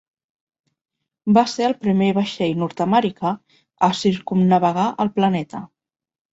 Va ser el primer vaixell nord-americà a circumnavegar el planeta.